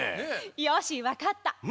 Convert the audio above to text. よしわかった。